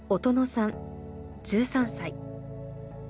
さん１３歳。